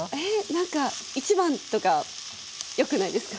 何か、１番とかよくないですか？